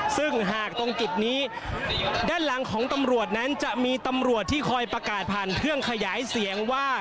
ซึ่งหากตรงจุดนี้ด้านหลังของตำรวจนั้นจะมีตำรวจที่คอยประกาศผ่านเครื่องขยายเสียงว่า